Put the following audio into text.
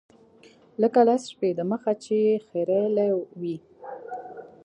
لکه لس شپې د مخه چې يې خرييلي وي.